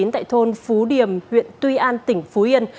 tại thôn phú điểm huyện tuy an tỉnh phú yên